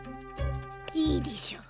いいでぃしょう。